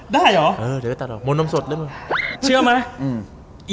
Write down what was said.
ได้อ๋อเออเดี๋ยวก็ตัดออกมนนมสดเล่นไปก่อนเชื่อมั้ยอืม